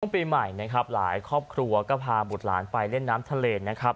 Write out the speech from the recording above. ปีใหม่นะครับหลายครอบครัวก็พาบุตรหลานไปเล่นน้ำทะเลนะครับ